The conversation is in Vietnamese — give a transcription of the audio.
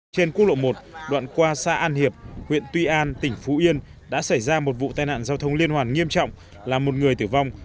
trên quốc lộ một đoạn qua xa an hiệp huyện tuy an tỉnh phú yên đã xảy ra một vụ tai nạn giao thông liên hoàn nghiêm trọng làm một người tử vong